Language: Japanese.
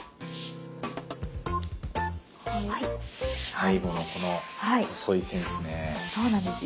最後のこの細い線ですね。